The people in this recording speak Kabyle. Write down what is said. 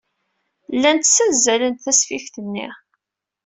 Llant ssazzalent tasfift-nni.